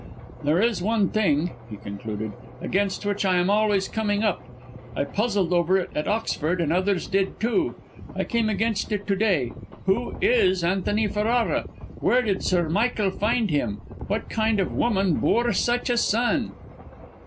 "There is one thing," he concluded, "against which I am always coming up, I puzzled over it at Oxford, and others did, too; I came against it to day. Who is Antony Ferrara? Where did Sir Michael find him? What kind of woman bore such a son?"